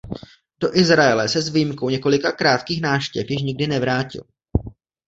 Do Izraele se s výjimkou několika krátkých návštěv již nikdy nevrátil.